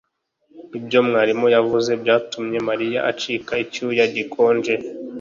ibyo mwarimu yavuze byatumye mariya acika icyuya gikonje